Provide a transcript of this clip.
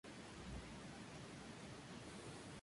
Irán tiene una balanza comercial productiva con Cuba.